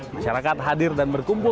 masyarakat hadir dan berkumpul